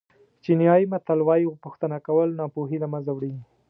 چینایي متل وایي پوښتنه کول ناپوهي له منځه وړي.